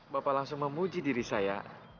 bapak langsung memuji diri saya